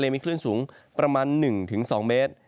มีคลื่นสูงประมาณ๑๒เมตร